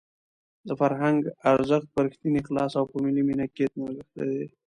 د فرهنګ ارزښت په رښتیني اخلاص او په ملي مینه کې نغښتی دی.